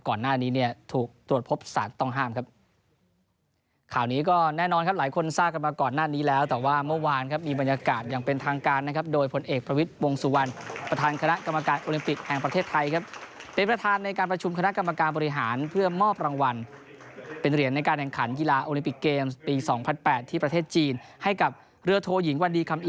ก่อนหน้านี้เนี่ยถูกตรวจพบศาลต้องห้ามครับข่าวนี้ก็แน่นอนครับหลายคนทราบกันมาก่อนหน้านี้แล้วแต่ว่าเมื่อวานครับมีบรรยากาศยังเป็นทางการนะครับโดยผลเอกพระวิทย์วงศุวรรณประธานคณะกรรมการโอลิมปิกแห่งประเทศไทยครับเป็นประธานในการประชุมคณะกรรมการบริหารเพื่อมอบรางวัลเป็นเหรียญในก